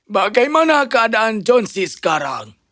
bagaimana keadaan john c sekarang